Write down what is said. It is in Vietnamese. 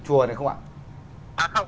chùa này có một sân tươi hơi thấp